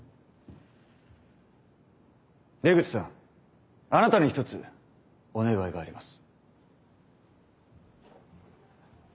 出口さんあなたに一つお願いがあります。